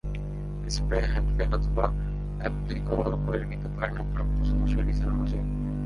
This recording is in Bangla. স্প্রে, হ্যান্ডপেইন্ট অথবা অ্যাপ্লিকও করিয়ে নিতে পারেন আপনার পছন্দসই ডিজাইন অনুযায়ী।